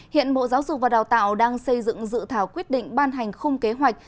hiện bộ giáo dục và đào tạo đang xây dựng dự thảo quyết định ban hành khung kế hoạch